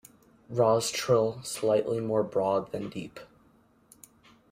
Rostral slightly more broad than deep.